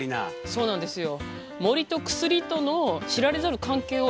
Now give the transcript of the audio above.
そうなんですよ。